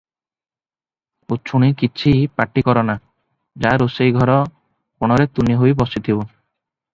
ଉଛୁଣି କିଛି ପାଟି କର ନା – ଯା, ରୋଷେଇଘର କୋଣରେ ତୁନି ହୋଇ ବସିଥିବୁ ।”